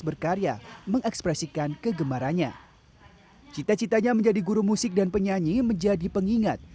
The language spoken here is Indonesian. berkarya mengekspresikan kegemarannya cita citanya menjadi guru musik dan penyanyi menjadi pengingat